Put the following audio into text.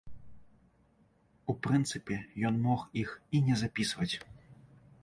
У прынцыпе, ён мог іх і не запісваць.